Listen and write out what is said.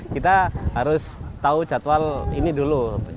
kita harus tahu jadwal ini dulu